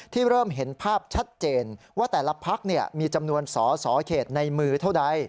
เริ่มเห็นภาพชัดเจนว่าแต่ละพักมีจำนวนสอสอเขตในมือเท่าใด